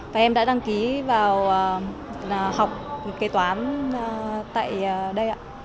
và em đã đăng ký vào học kế toán tại đây ạ